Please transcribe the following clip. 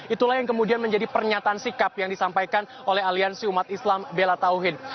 itulah yang kemudian menjadi pernyataan sikap yang disampaikan oleh aliansi umat islam bella tauhin